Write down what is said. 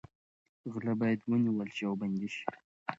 غله باید ونیول شي او بندي شي.